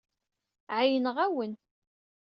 Ɛeyyneɣ-awen.